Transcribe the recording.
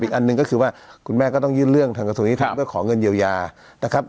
อีกอันนึงก็คือว่าคุณแม่ก็ต้องยื่นเรื่องทางของในความก็ของเงินเยี่ยวยากับ